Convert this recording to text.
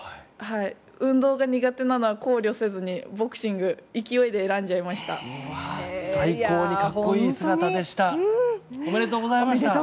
運動が苦手なのは考慮せずにボクシング最高に格好いい姿でした。